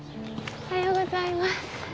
おはようございます。